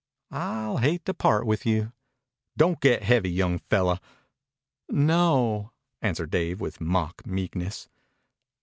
"I'll hate to part with you." "Don't get heavy, young fellow." "No," answered Dave with mock meekness.